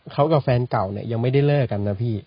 เขากับแฟนเก่าเนี่ยยังไม่ได้เลิกกันนะพี่